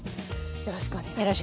よろしくお願いします。